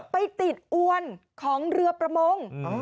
ไปติดอวนของเรือประมง